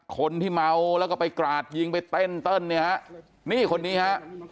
คนที่เมาแล้วก็ไปกราดยิงไปเต้นเติ้ลเนี่ยฮะนี่คนนี้ฮะ